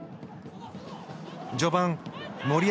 序盤森保